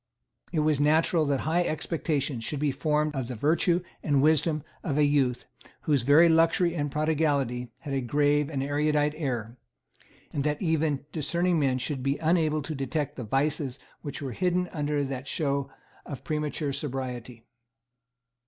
It was natural that high expectations should be formed of the virtue and wisdom of a youth whose very luxury and prodigality had a grave and erudite air, and that even discerning men should be unable to detect the vices which were hidden under that show of premature sobriety.